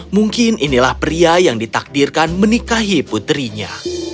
mungkin inilah pria yang ditakdirkan menikahi putrinya